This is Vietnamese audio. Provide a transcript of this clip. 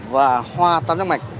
và hoa tam giác mạch